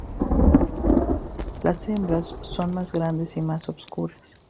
Las hembras son más grandes y más oscuras.